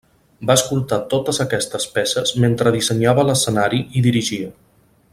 Va escoltar totes aquestes peces mentre dissenyava l'escenari i dirigia.